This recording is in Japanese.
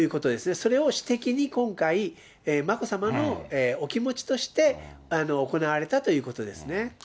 それを私的に今回、眞子さまのお気持ちとして行われたということですね。